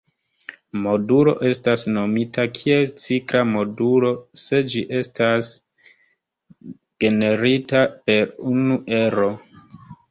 Modulo estas nomita kiel cikla modulo se ĝi estas generita per unu ero.